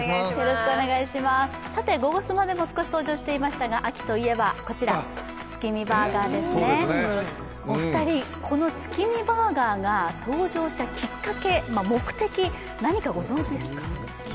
「ゴゴスマ」でも少し登場していましたが秋といえばこちら、こちら、月見バーガーですね、お二人、この月見バーガーが登場したきっかけ、目的、何かご存じですか？